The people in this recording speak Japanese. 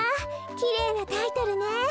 きれいなタイトルね。